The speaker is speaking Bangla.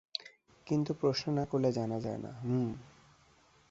কিন্তু প্রশ্ন না করলে জানা যায় না, হুম?